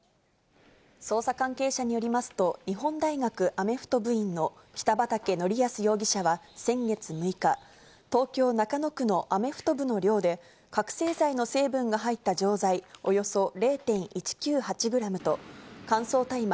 捜査関係者によりますと、日本大学アメフト部員の北畠成文容疑者は先月６日、東京・中野区のアメフト部の寮で、覚醒剤の成分が入った錠剤およそ０．１９８グラムと乾燥大麻